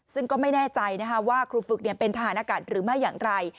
ซึ่งก็ไม่แน่ใจว่าครูฝึกเป็นทหารอากาศหรือไม่อย่างไร